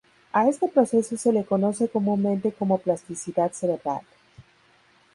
A este proceso se le conoce comúnmente como plasticidad cerebral.